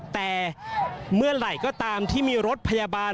แต่เมื่อไหร่ก็ตามที่มีรถพยาบาล